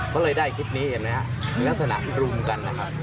ก็เลยได้คลิปนี้อย่างนี้แม้สนะรุมกันนะครับ